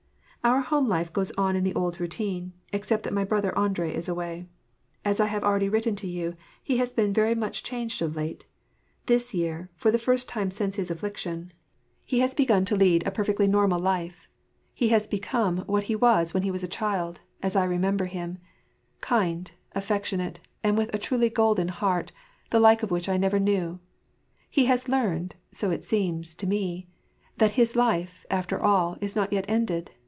Our home life goes on in the old routine; except that my brother Andrei is away. As I have already written you, he has been very much changed of Uter Tbis year, for th« first time since his affiiction, he has WAR AND PEACE. 239 begun to lead a perfectly normal life : he has become what he was when be was a child, as I remember him: kind, affectionate, and with a truly golden heart, the lilce of which 1 never knew. Ue has learned, so it seems, to me, that his life, after all, is not yet ended.